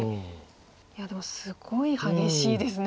いやでもすごい激しいですね。